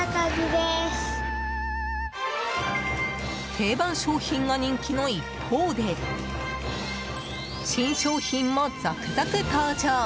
定番商品が人気の一方で新商品も続々登場！